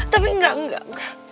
tapi enggak enggak